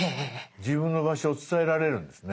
自分の場所を伝えられるんですね。